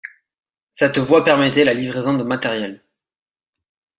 Cette voie permettait la livraison de matériel.